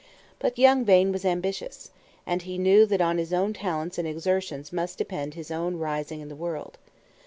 But young Vane was ambitious, and he knew that on his own talents and exertions must depend his own rising in the world.